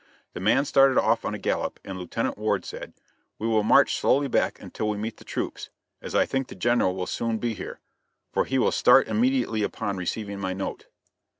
The man started off on a gallop, and Lieutenant Ward said: "We will march slowly back until we meet the troops, as I think the General will soon be here, for he will start immediately upon receiving my note."